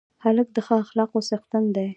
هلک د ښه اخلاقو څښتن دی.